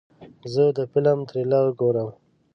زه د فلم تریلر ګورم.